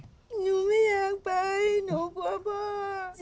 หนูไม่อยากไปหนูกลัวพ่อเสียใจ